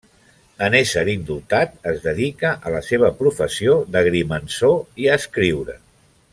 En ésser indultat, es dedica a la seva professió d'agrimensor i a escriure.